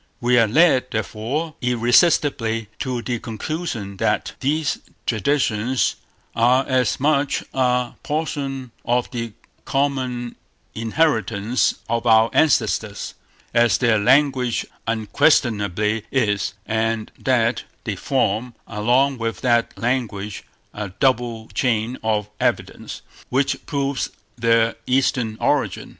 We are led, therefore, irresistibly to the conclusion, that these traditions are as much a portion of the common inheritance of our ancestors, as their language unquestionably is; and that they form, along with that language, a double chain of evidence, which proves their Eastern origin.